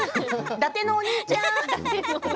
伊達のお兄ちゃん！